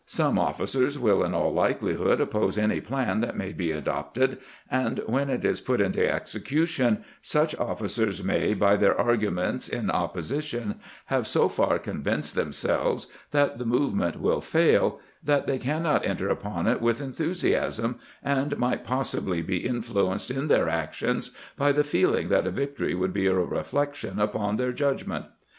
Some officers will in aU likelihood oppose any plan that may be adopted; and when it is put into execution, such officers may, by their arguments in opposition, have so far convinced themselves that the movement will fail that they cannot enter upon it with enthusiasm, and might possibly be influenced in their actions by the feeling that a victory would be a reflection upon their judgment.